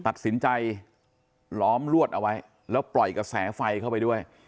ตัดสินใจล้อมลวดเอาไว้แล้วปล่อยกระแสไฟเข้าไปด้วย